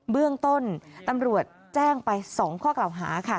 เบื้องต้นตำรวจแจ้งไป๒ข้อกล่าวหาค่ะ